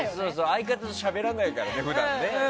相方としゃべらないからね、普段ね。